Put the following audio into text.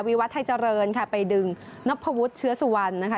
วัดไทยเจริญค่ะไปดึงนพวุฒิเชื้อสุวรรณนะคะ